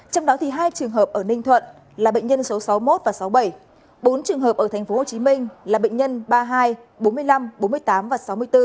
trong đó hai trường hợp ở ninh thuận là bệnh nhân số sáu mươi một và sáu mươi bảy bốn trường hợp ở tp hcm là bệnh nhân ba mươi hai bốn mươi năm bốn mươi tám và sáu mươi bốn